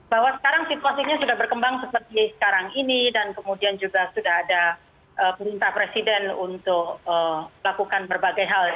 bahwa sekarang situasinya sudah berkembang seperti sekarang ini dan kemudian juga sudah ada perintah presiden untuk melakukan berbagai hal